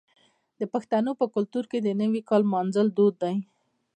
د پښتنو په کلتور کې د نوي کال لمانځل دود دی.